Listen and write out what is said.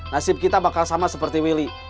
nasib kita bakal sama seperti willy